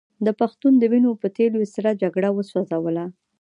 د پښتون د وینو په تېل یې سړه جګړه وسوځوله.